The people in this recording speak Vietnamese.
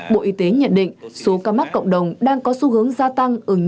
bộ y tế nhận định số ca mắc cộng đồng đang có xu hướng gia tăng